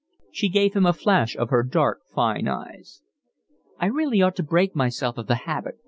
She gave him a flash of her dark, fine eyes. "I really ought to break myself of the habit.